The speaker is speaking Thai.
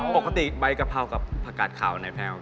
ปกติใบกะเพรากับผักกัดขาวอันไหนแพ้วะกัน